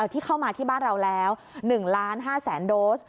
ที่เข้ามาที่บ้านเราแล้ว๑๕๐๐๐โดส